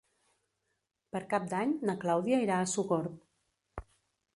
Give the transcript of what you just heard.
Per Cap d'Any na Clàudia irà a Sogorb.